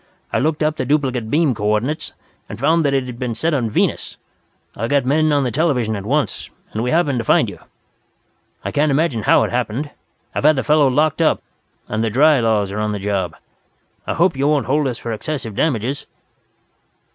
I looked up the duplicate beam coordinates, and found that it had been set on Venus. I got men on the television at once, and we happened to find you. "I can't imagine how it happened. I've had the fellow locked up, and the 'dry laws' are on the job. I hope you won't hold us for excessive damages."